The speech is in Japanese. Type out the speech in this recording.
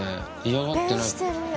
嫌がってない。